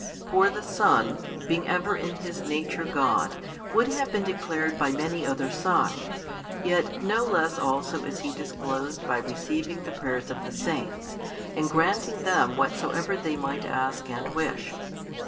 For the |295 Son, being ever in His nature God, would have been declared by many other signs; yet no less also is He disclosed by receiving the prayers of the saints, and granting them whatsoever they might ask and wish.